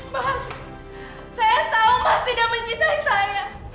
mas saya tahu mas tidak mencintai saya